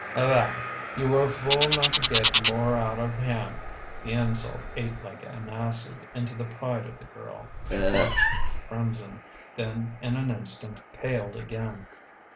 A' that, you were a fool not to get more outa him." The insult ate like an acid into the pride of the girl. She flushed crimson, then in an instant paled again.